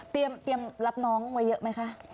เตรียมรับน้องไว้เยอะไหมคะ